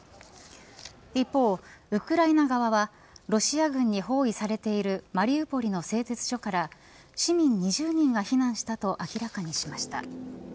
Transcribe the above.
一方、ウクライナ側はロシア軍に包囲されているマリウポリの製鉄所から市民２０人が避難したと明らかにしました。